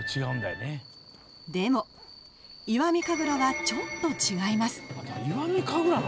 でも、石見神楽はちょっと違います。